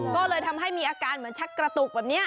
ก็เลยทำให้มีอาการเหมือนชักกระตุกแบบนี้